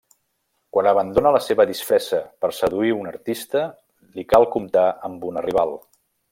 Quan abandona la seva disfressa per seduir un artista, li cal comptar amb una rival.